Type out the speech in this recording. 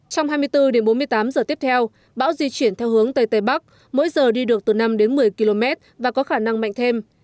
trong hai mươi bốn đến bốn mươi tám giờ tiếp theo bão di chuyển theo hướng tây tây bắc mỗi giờ đi được từ năm đến một mươi km và có khả năng mạnh thêm